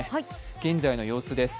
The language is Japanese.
現在の様子です。